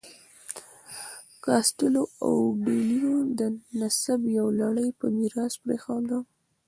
کاسټیلو او ډي لیون د نسب یوه لړۍ په میراث پرېښوده.